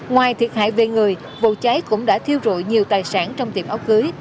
ngoài thiệt hại về người vụ cháy cũng đã thiêu rụi nhiều tài sản trong tiệm áo cưới